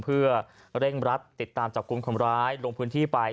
เพื่อเร่งรัดติดตามจับกลุ่มคนร้ายลงพื้นที่ไป